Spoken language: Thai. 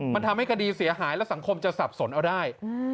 มันทำให้คดีเสียหายและสังคมจะสับสนเอาได้